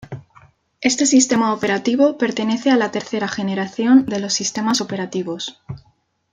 Este sistema operativo pertenece a la tercera generación de los sistemas operativos.